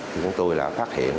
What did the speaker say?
thì chúng tôi là phát hiện